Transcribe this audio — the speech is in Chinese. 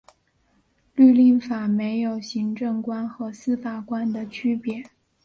律令法没有行政官和司法官的区别。